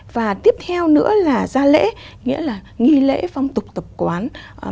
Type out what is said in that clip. và tiếp theo nữa là ra lễ nghĩa là nghi lễ phong tục tập quán